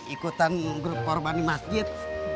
ikutan grup korban di masjid